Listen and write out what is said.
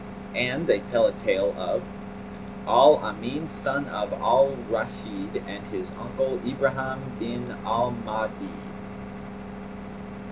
And they tell a tale of AL AMIN SON OF AL RASHID AND HIS UNCLE IBRAHIM BIN AL MAHDI.